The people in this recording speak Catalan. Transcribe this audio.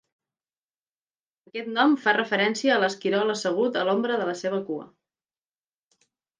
Aquest nom fa referència a l'esquirol assegut a l'ombra de la seva cua.